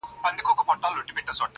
چي شریک یې په قدرت سي په ښکارونو.!